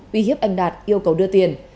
uy hiếp anh đạt yêu cầu đưa tiền